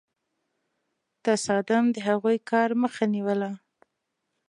تصادم د هغوی کار مخه نیوله.